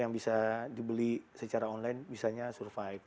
yang bisa dibeli secara online bisanya survive